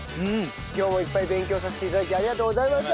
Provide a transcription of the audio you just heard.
今日もいっぱい勉強させて頂きありがとうございました！